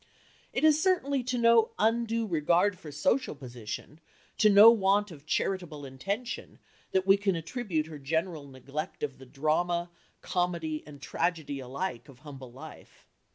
It is certainly to no undue regard for social position, to no want of charitable intention, that we can attribute her general neglect of the drama, comedy and tragedy alike, of humble life.